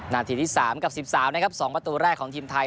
นาทีที่๓กับ๑๓นะครับ๒ประตูแรกของทีมไทย